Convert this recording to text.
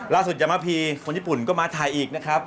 ล่าสุจังหมาพีคนญี่ปุ่นก็มาถ่ายอีกนะครับ